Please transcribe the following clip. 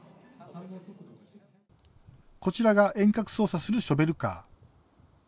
こちらが遠隔操作するショベルカー。